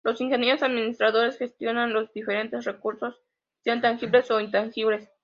Los ingenieros administradores gestionan los diferentes recursos sean tangibles o intangibles.